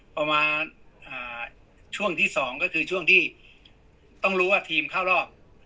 ประมาณช่วงที่๒ก็คือช่วงที่ต้องรู้ว่าทีมเข้ารอบ